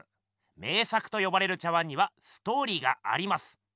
名作とよばれる茶碗にはストーリーがあります。